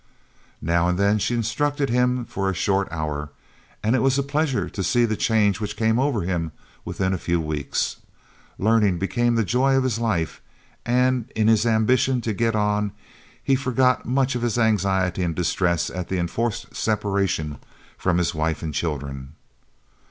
Now and then she instructed him for a short hour, and it was a pleasure to see the change which came over him within a few weeks. Learning became the joy of his life, and in his ambition to get on he forgot much of his anxiety and distress at the enforced separation from his wife and children.